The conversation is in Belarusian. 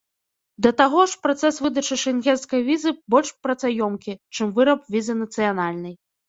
Да таго ж працэс выдачы шэнгенскай візы больш працаёмкі, чым выраб візы нацыянальнай.